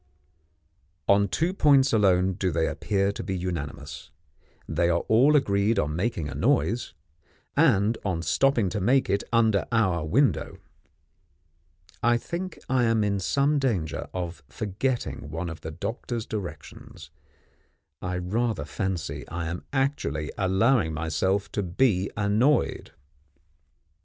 On two points alone do they appear to be unanimous they are all agreed on making a noise, and on stopping to make it under our window. I think I am in some danger of forgetting one of the doctor's directions; I rather fancy I am actually allowing myself to be annoyed.